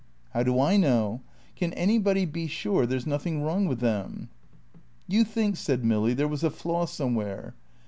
"How do I know? Can anybody be sure there's nothing wrong with them?" "You think," said Milly, "there was a flaw somewhere?"